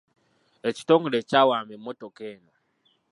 Ekitongole kyawamba emmotoka eno.